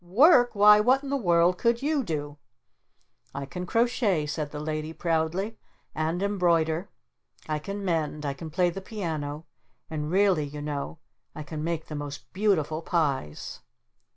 Work? Why, what in the world could YOU do?" "I can crochet," said the Lady proudly. "And embroider. I can mend. I can play the piano. And really you know I can make the most beautiful pies."